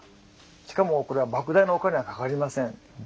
しかもこれはばく大なお金はかかりません。